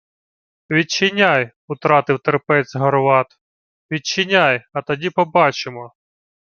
— Відчиняй! — утратив терпець Горват. — Відчиняй, а тоді побачимо!